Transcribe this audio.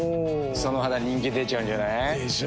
その肌人気出ちゃうんじゃない？でしょう。